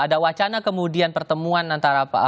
ada wacana kemudian pertemuan antara pak prabowo dan pak surya